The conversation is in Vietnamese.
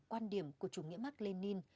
quan điểm của chủ nghĩa mark lenin